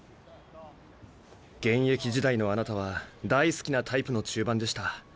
現役時代のあなたは大好きなタイプの中盤でした。